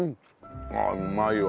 ああうまいわ。